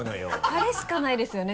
あれしかないですよね？